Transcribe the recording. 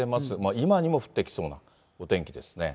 今にも降ってきそうなお天気ですね。